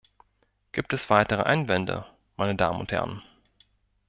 Gibt es weitere Einwände, meine Damen und Herren?